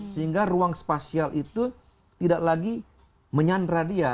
sehingga ruang spasial itu tidak lagi menyandra dia